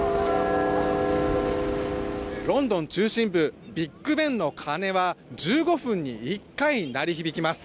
ロンドン中心部ビッグ・ベンの鐘は１５分に１回、鳴り響きます。